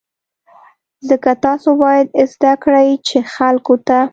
ځکه تاسو باید زده کړئ چې خلکو ته.